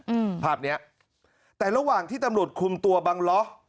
อืมภาพเนี้ยแต่ระหว่างที่ตำรวจคุมตัวบังล้อ